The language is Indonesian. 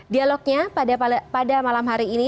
dialognya pada malam hari ini